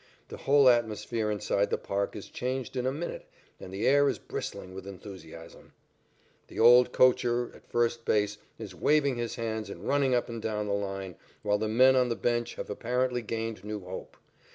The whole atmosphere inside the park is changed in a minute, and the air is bristling with enthusiasm. The other coacher, at first base, is waving his hands and running up and down the line, while the men on the bench have apparently gained new hope.